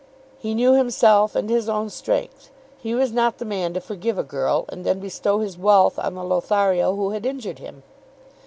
He knew himself and his own strength. He was not the man to forgive a girl, and then bestow his wealth on the Lothario who had injured him.